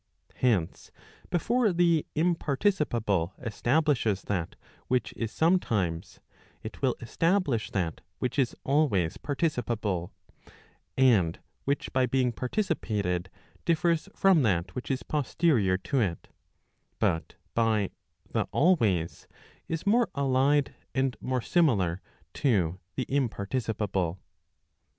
Hence, before the imparticipable establishes that which is sometimes, it will establish that which is always participable; and which by being participated differs from that which is posterior to it, but by the always is more allied and more similar to the imparticipable.